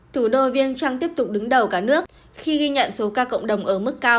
thủ đô viêng trăng tiếp tục đứng đầu cả nước khi ghi nhận số ca cộng đồng ở mức cao